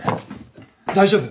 大丈夫？